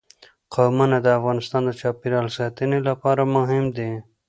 قومونه د افغانستان د چاپیریال ساتنې لپاره مهم دي.